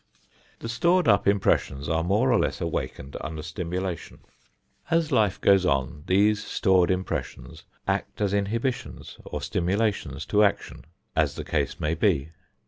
The stored up impressions are more or less awakened under stimulation. As life goes on, these stored impressions act as inhibitions or stimulations to action, as the case may be.